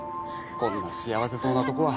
こんな幸せそうなとこは。